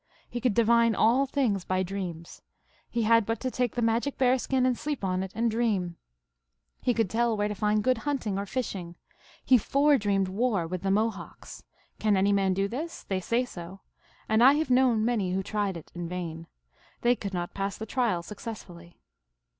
He could divine all things by dreams. He had but to take the magic bear skin and sleep on it, and dream. He could tell where to find good hunt ing or fishing. He foredreamed war with the Mo hawks. Can any man do this ? They say so, and I have known many who tried it in vain. They could not pass the trial successfully."